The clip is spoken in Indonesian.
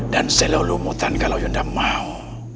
dan selalu mutan kalau yunda mau